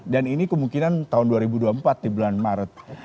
dan ini kemungkinan tahun dua ribu dua puluh empat di bulan maret